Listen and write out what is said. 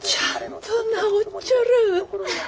ちゃんと直っちょる。